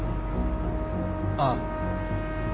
ああ。